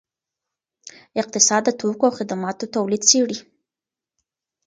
اقتصاد د توکو او خدماتو تولید څیړي.